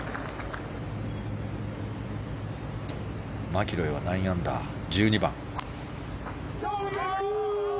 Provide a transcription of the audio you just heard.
マキロイは９アンダー、１２番。